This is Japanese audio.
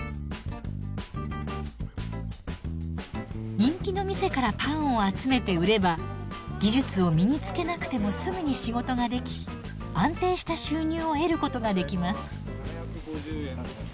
人気の店からパンを集めて売れば技術を身につけなくてもすぐに仕事ができ安定した収入を得ることができます。